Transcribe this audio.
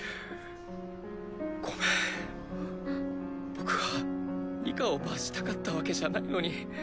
僕はニカを罰したかったわけじゃないのに。